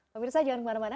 pemirsa jangan kemana mana